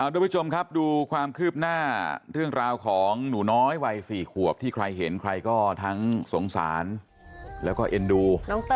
ทุกผู้ชมครับดูความคืบหน้าเรื่องราวของหนูน้อยวัย๔ขวบที่ใครเห็นใครก็ทั้งสงสารแล้วก็เอ็นดู